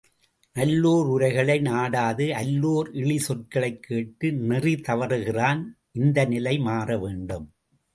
நல்லோர் உரைகளை நாடாது அல்லோர் இழி சொற்களைக் கேட்டு நெறி தவறுகிறான். இந்த நிலை மாறவேண்டும்.